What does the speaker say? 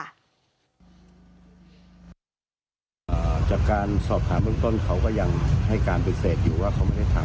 จากการสอบถามเบื้องต้นเขาก็ยังให้การปฏิเสธอยู่ว่าเขาไม่ได้ทำ